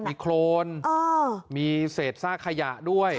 มีโครนมีเศษซากขยะด้วย